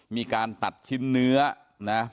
มีการตัดชิ้นเนื้อนะ